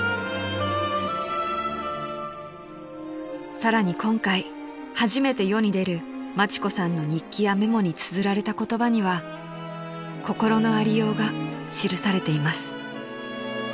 ［さらに今回初めて世に出る町子さんの日記やメモにつづられた言葉には心のありようが記されています］